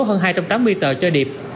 hơn hai trăm tám mươi tờ cho điệp